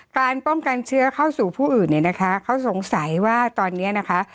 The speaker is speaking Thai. การป้องกันเชื้อเข้าสู่ผู้อื่นเนี่ยนะคะเขาสงสัยว่าตอนนี้นะคะ